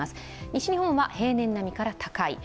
西日本は平年並みから、高い。